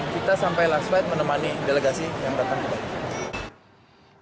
kita sampai laksvide menemani delegasi yang datang ke bali